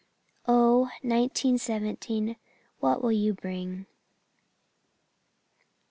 Oh, nineteen seventeen, what will you bring?"